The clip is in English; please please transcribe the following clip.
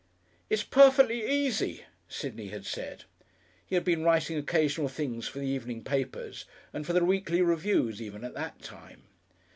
"It's perfectly easy," Sidney had said. He had been writing occasional things for the evening papers, and for the weekly reviews even at that time.